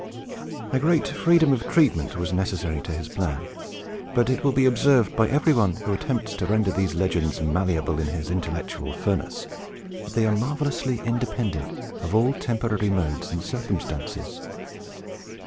A great freedom of treatment was necessary to his plan; but it will be observed by every one who attempts to render these legends malleable in his intellectual furnace, that they are marvellously independent of all temporary modes and circumstances.